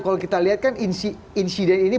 kalau kita lihat kan insiden ini